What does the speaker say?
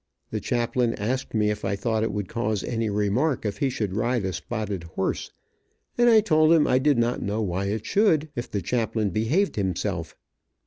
The chaplain asked me if I thought it would cause any remark if he should ride a spotted horse, and I told him I did not know why it should, if the chaplain behaved himself.